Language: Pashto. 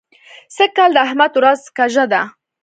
سږ کال د احمد ورځ کږه ده.